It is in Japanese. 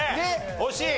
惜しい！